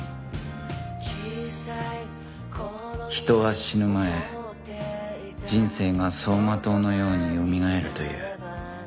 人は死ぬ前人生が走馬灯のようによみがえるという